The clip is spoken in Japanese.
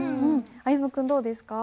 歩夢君どうですか？